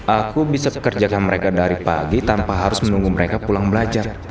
aku bisa pekerjakan mereka dari pagi tanpa harus menunggu mereka pulang belajar